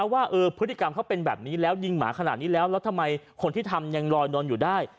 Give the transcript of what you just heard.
ว่าพฤติกรรมเขาเป็นแบบนี้แล้วยิงหมาขนาดนี้แล้วแล้วทำไมคนที่ทำยังลอยนอนอยู่ได้